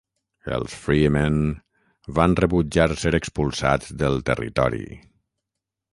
Els Freemen van rebutjar ser expulsats del territori.